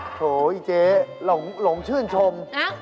โถอีเจ๊หลงชื่นชม